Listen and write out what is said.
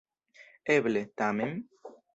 Eble, tamen?